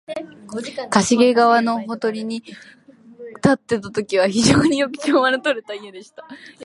加茂川のほとりに建っていたときは、非常によく調和のとれた家でした